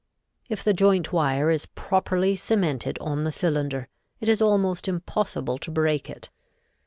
If the joint wire is properly cemented on the cylinder, it is almost impossible to break it.